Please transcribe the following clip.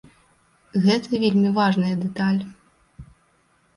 Гэта вельмі важная дэталь.